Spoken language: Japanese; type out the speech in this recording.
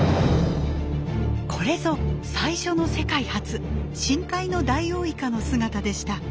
これぞ最初の世界初深海のダイオウイカの姿でした。